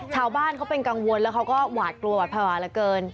ชาวบ้านเขาเป็นกังวลแล้วเขาก็หวาดกลัวหวาดภาวะเหลือเกิน